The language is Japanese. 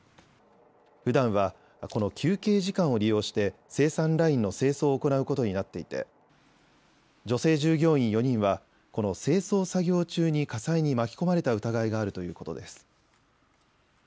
ふだんはこの休憩時間を利用して生産ラインの清掃を行うことになっていて女性従業員４人はこの清掃作業中に火災に巻き込まれた疑いがあるということです。